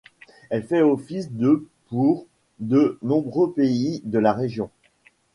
Elle fait office de pour de nombreux pays de la région.